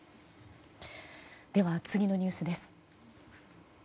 では、次のニュースです。